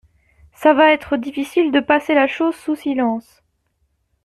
Ça va être difficile de passer la chose sous silence.